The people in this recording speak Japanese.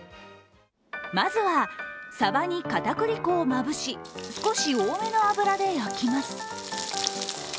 まずは、サバに片栗粉をまぶし、少し多めの油で焼きます。